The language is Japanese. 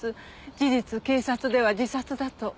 事実警察では自殺だと。